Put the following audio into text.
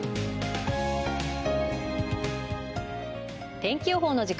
天気予報の時間です。